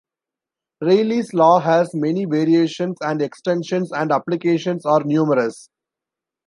Reilly's law has many variations, and extensions and applications are numerous.